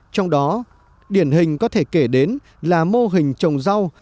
trong đó điển hình có thể kể đến là mô hình trồng rau